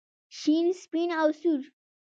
شین سپین او سور.